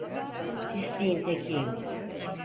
Pisliğin tekiyim.